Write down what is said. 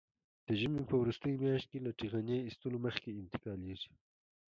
د ژمي په وروستۍ میاشت کې له ټېغنې ایستلو مخکې انتقالېږي.